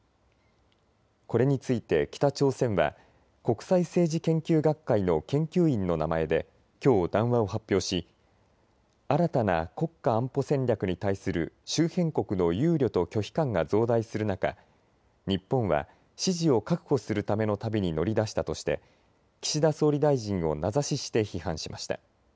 これについて北朝鮮は国際政治研究学会の研究員の名前できょう談話を発表し新たな国家安保戦略に対する周辺国の憂慮と拒否感が増大する中、日本は支持を確保するための旅に乗り出したとして岸田総理大臣を名指しして批判しました。